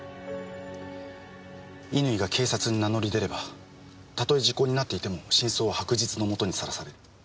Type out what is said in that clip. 乾が警察に名乗り出ればたとえ時効になっていても真相は白日の下にさらされる。